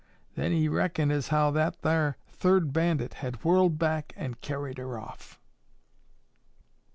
Then he reckoned as how that thar third bandit had whirled back an' carried her off."